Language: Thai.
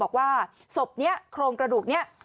บอกว่าสบเนี่ยโครงกระดูกเนี่ย